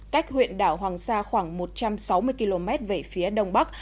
cách huyện đảo hoàng sa khoảng một trăm sáu mươi km về phía đông bắc